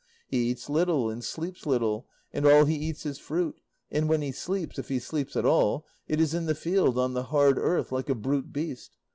He eats little and sleeps little, and all he eats is fruit, and when he sleeps, if he sleeps at all, it is in the field on the hard earth like a brute beast.